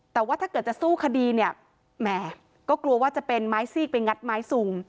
แต่ว่าถ้าเกิดจะสู้คดีเนี่ยแหมก็กลัวว่าจะเป็นไม้ซีกไปงัดไม้ซุง